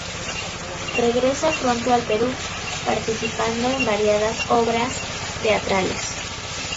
Regresa pronto al Perú, participando en variadas obras teatrales.